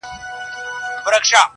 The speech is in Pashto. ټپه، غزل او کاکړۍ